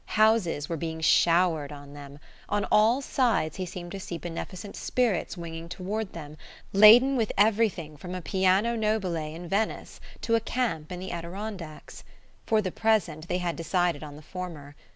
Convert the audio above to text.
Houses were being showered on them; on all sides he seemed to see beneficent spirits winging toward them, laden with everything from a piano nobile in Venice to a camp in the Adirondacks. For the present, they had decided on the former.